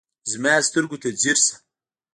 د ما سترګو ته ځیر شه